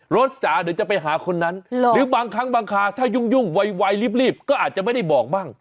โรสจ๋าเดี๋ยวจะไปหาคนนั้นหรอหรือบางครั้งบางค่าถ้ายุ่งยุ่งวัยวัยรีบรีบก็อาจจะไม่ได้บอกบ้าง